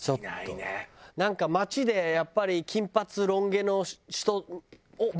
なんか街でやっぱり金髪ロン毛の人おっ！